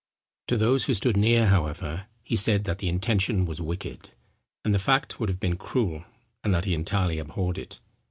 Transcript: To those who stood near, however, he said that the intention was wicked, and the fact would have been cruel, and that he entirely abhorred it.